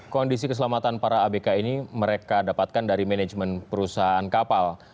kondisi keselamatan para abk ini mereka dapatkan dari manajemen perusahaan kapal